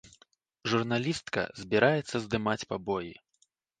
Журналістка збіраецца здымаць пабоі.